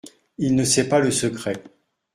Il ne sait pas le secret.